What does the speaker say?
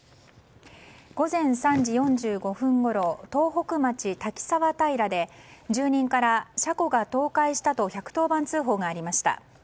午前３時４５分ごろ東北町滝沢平で住人から車庫が倒壊したと１１０番通報がありました。